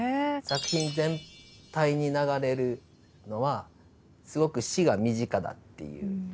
作品全体に流れるのはすごく死が身近だっていうことですよね。